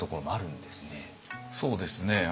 そうですね。